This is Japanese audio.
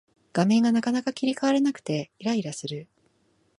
画面がなかなか切り替わらなくてイライラする